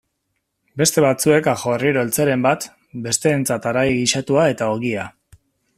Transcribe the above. Beste batzuek ajoarriero eltzeren bat, besteentzat haragi gisatua eta ogia.